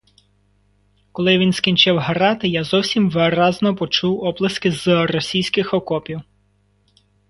Коли він скінчив грати, я зовсім виразно почув оплески з російських окопів.